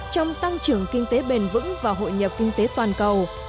trong tăng trưởng kinh tế bền vững và hội nhập kinh tế toàn cầu